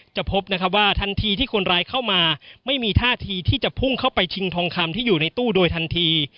พบนะครับว่าทันทีที่คนร้ายเข้ามาไม่มีท่าทีที่จะพุ่งเข้าไปชิงทองคำที่อยู่ในตู้โดยทันที